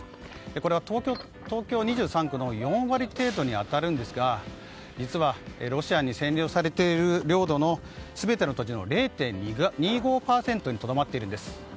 これは東京２３区の４割程度に当たるんですが実は、ロシアに占領されている領土の全ての土地の０．２５％にとどまっているんです。